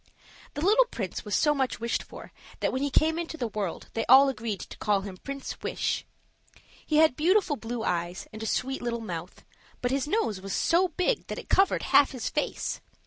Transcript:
The little prince was so much wished for that when he came into the world they agreed to call him Prince Wish. He had beautiful blue eyes and a sweet little mouth, but his nose was so big that it covered half his face.